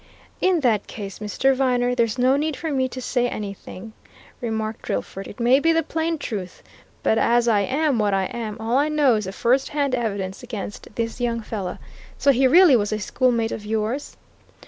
"In that case, Mr. Viner, there's no need for me to say anything," remarked Drillford. "It may be the plain truth. But as I am what I am, all I know is the first hand evidence against this young fellow. So he really was a schoolmate of yours?"